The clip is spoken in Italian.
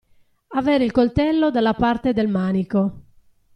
Avere il coltello dalla parte del manico.